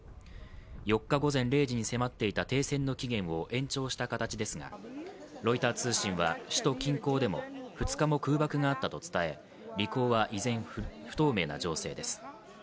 ４日午前０時に迫っていた停戦の期限を延長した形ですが、ロイター通信は首都近郊でも２日も空爆があったと伝え、履行は依然、不透明な情勢です。